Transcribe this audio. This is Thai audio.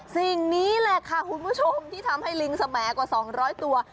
สิ่งนี้แหละค่ะคุณผู้ชมที่ทำให้ลิงสแหมดกว่า๒๐๐ตัว